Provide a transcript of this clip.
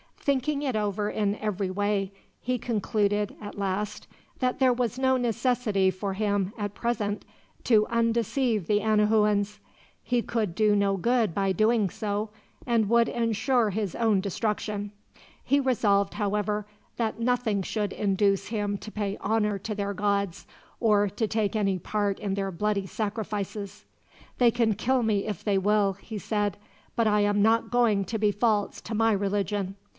Thinking it over in every way, he concluded at last that there was no necessity for him, at present, to undeceive the Anahuans. He would do no good by doing so, and would ensure his own destruction. He resolved however, that nothing should induce him to pay honor to their gods, or to take any part in their bloody sacrifices. "They can kill me if they will," he said; "but I am not going to be false to my religion.